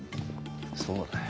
そうだよ。